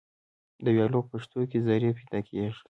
د ویالو په پشتو کې زرۍ پیدا کیږي.